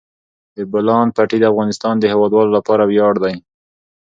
د بولان پټي د افغانستان د هیوادوالو لپاره ویاړ دی.